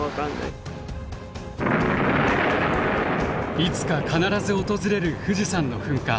いつか必ず訪れる富士山の噴火。